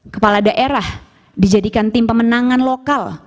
kepala daerah dijadikan tim pemenangan lokal